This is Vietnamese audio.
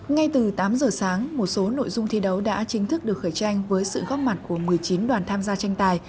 ngay từ tám giờ sáng một số nội dung thi đấu đã chính thức được khởi tranh với sự góp mặt của một mươi chín đoàn tham gia tranh tài